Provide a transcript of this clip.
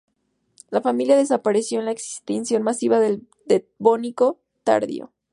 La familia desapareció en la extinción masiva del Devónico Tardío.